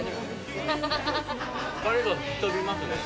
疲れが吹き飛びますね。